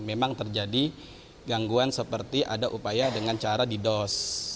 memang terjadi gangguan seperti ada upaya dengan cara didos